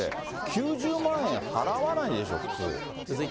９０万円払わないでしょ、普通。